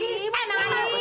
eh emang aneh